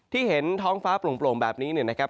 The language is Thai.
เห็นท้องฟ้าโปร่งแบบนี้เนี่ยนะครับ